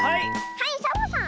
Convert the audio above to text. はいサボさん！